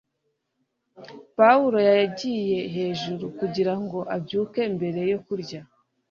Pawulo yagiye hejuru kugirango abyuke mbere yo kurya